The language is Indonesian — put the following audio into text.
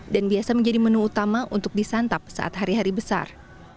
dan biasa menjadi menu utama untuk disantap saat hari hari besar